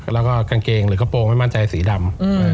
แล้วก็กางเกงหรือกระโปรงไม่มั่นใจสีดำ